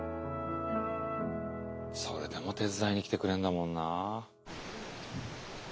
それでも手伝いに来てくれんだもんな。